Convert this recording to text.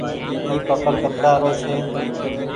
اي پڪڙ ڪترآ رو ڇي۔